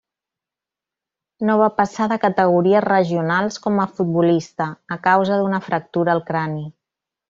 No va passar de categories regionals com a futbolista, a causa d'una fractura al crani.